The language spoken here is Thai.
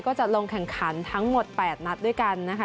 จะลงแข่งขันทั้งหมด๘นัดด้วยกันนะคะ